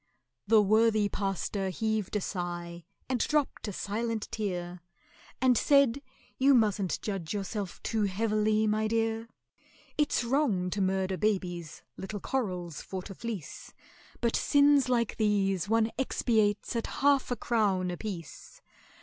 The worthy pastor heaved a sigh, and dropped a silent tear, And said, "You mustn't judge yourself too heavily, my dear: It's wrong to murder babies, little corals for to fleece; But sins like these one expiates at half a crown apiece.